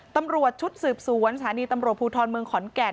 ตำรวจชุดสืบสวนสถานีตำรวจภูทรเมืองขอนแก่น